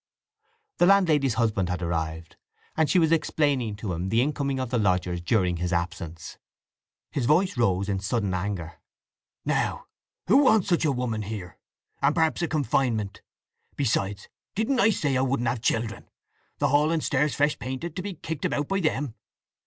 The landlady's husband had arrived, and she was explaining to him the incoming of the lodgers during his absence. His voice rose in sudden anger. "Now who wants such a woman here? and perhaps a confinement! … Besides, didn't I say I wouldn't have children? The hall and stairs fresh painted, to be kicked about by them!